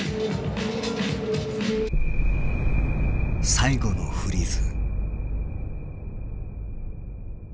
最後のフリーズ。